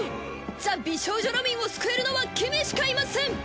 ザ・美少女ロミンを救えるのは君しかいません！